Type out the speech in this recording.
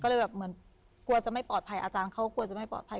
ก็เลยแบบเหมือนกลัวจะไม่ปลอดภัยอาจารย์เขากลัวจะไม่ปลอดภัย